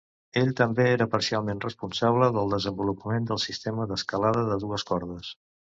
Ell també era parcialment responsable pel desenvolupament del sistema d'escalada de "dues cordes".